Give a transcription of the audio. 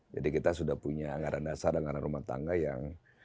jadi kita sudah punya anggaran dasar anggaran rumah tangga yang